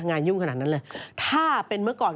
งานยุ่งขนาดนั้นเลย